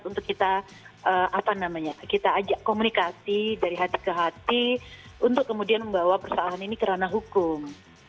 untuk kita ajak komunikasi dari hati ke hati untuk kemudian membawa persoalan ini ke ranah hukum